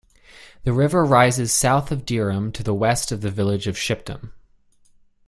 The river rises south of Dereham to the west to the village of Shipdham.